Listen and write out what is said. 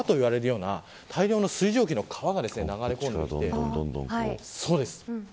前線の南側から大気の川といわれるような大量の水蒸気の川が流れ込んできます。